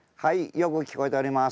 よく聞こえております。